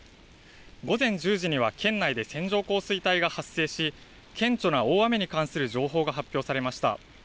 午前１０時には県内で線状降水帯が発生し、顕著な大雨に関する情報が発表されました。